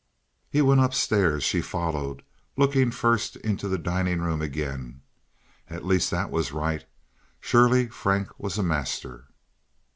He went up stairs, and she followed, looking first into the dining room again. At least that was right. Surely Frank was a master.